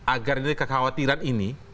agar ini kekhawatiran ini